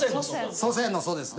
「祖先」の「祖」ですね。